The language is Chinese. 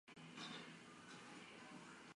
陆军国民警卫队建立第二所狙击兵学校。